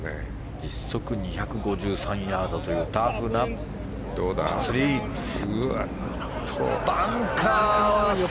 実測２５３ヤードというタフなパー３。